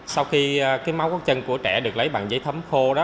sau khi máu gót chân của trẻ được lấy bằng giấy thấm khô